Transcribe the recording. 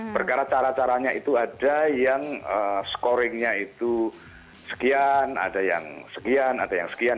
perkara cara caranya itu ada yang scoringnya itu sekian ada yang sekian ada yang sekian